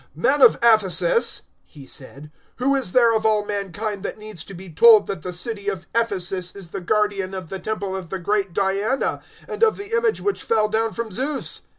"Men of Ephesus," he said, "who is there of all mankind that needs to be told that the city of Ephesus is the guardian of the temple of the great Diana and of the image which fell down from Zeus?